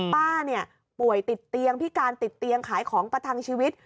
ป้าเนี่ยป่วยติดเตียงพิการติดเตียงขายของประทังชีวิต